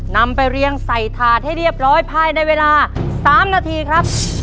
นำไปเรียงใส่ถาดให้เรียบร้อยภายในเวลา๓นาทีครับ